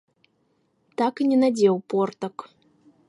Так і не надзеў портак.